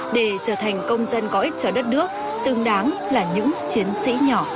để trở thành công dân có ích cho đất nước xứng đáng là những chiến sĩ nhỏ điện biên